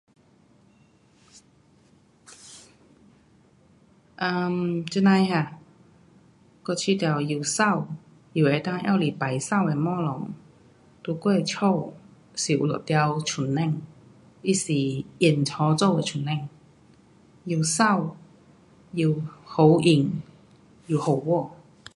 啊，这样的哈？我觉得又美，又能够用来摆美的东西，在我的家是有一条桌子，它是用木做的桌子。又美又好用，又好看。